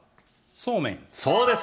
そうめんそうです